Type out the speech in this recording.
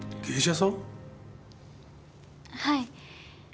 はい。